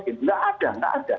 tidak ada tidak ada